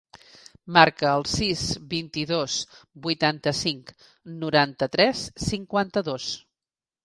Marca el sis, vint-i-dos, vuitanta-cinc, noranta-tres, cinquanta-dos.